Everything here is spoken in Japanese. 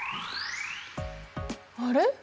あれ？